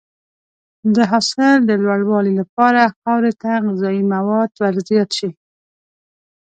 د حاصل د لوړوالي لپاره خاورې ته غذایي مواد ورزیات شي.